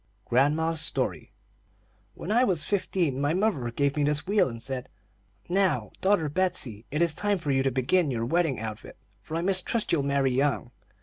GRANDMA'S STORY. "When I was fifteen, my mother gave me this wheel, and said: 'Now, daughter Betsey, it is time for you to begin your wedding outfit, for I mistrust you'll marry young.'